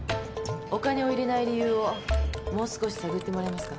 お金を入れない理由をもう少し探ってもらえますか？